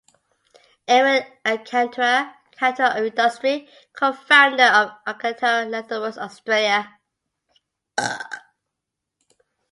Aaron Alcantara - Captain of Industry, co- founder of Alcatara Leatherworks Australia.